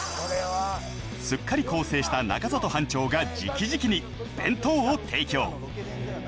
すっかり更生した中里班長が直々に弁当を提供